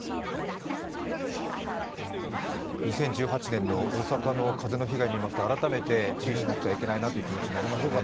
２０１８年の大阪の風の被害を見ますと改めて注意しなくてはいけないなという気持ちになりますね。